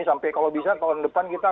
sampai kalau bisa tahun depan kita